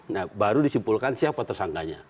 nah baru disimpulkan siapa tersangkanya